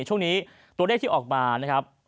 ช่วงนี้ตัวเลขที่ออกมานะครับ